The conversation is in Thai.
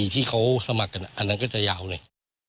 ที่เขาสมัครกันอันนั้นก็จะยาวเลย